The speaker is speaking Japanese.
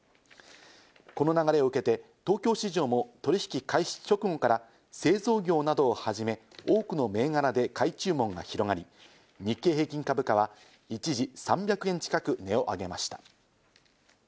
この流れを受けて東京市場も取引開始直後から製造業などはじめ、多くの銘柄で買い注文が広がり、日経平均株価は一時３００円近く値を上げました。